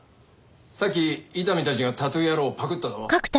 さっき伊丹たちがタトゥー野郎をパクったぞ。